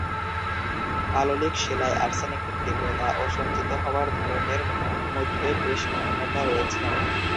পাললিক শিলায় আর্সেনিকের তীব্রতা ও সঞ্চিত হওয়ার ধরনের মধ্যে বেশ ভিন্নতা রয়েছে।